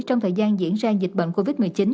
trong thời gian diễn ra dịch bệnh covid một mươi chín